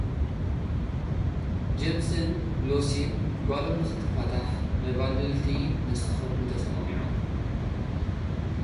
ጃምስን ሉሲን፡ ጓሎም ንኽትፍታሕ መባድልቲ ንኽኸፍሉ ተሰማሚዖም።